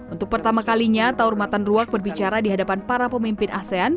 untuk pertama kalinya taur matan ruak berbicara di hadapan para pemimpin asean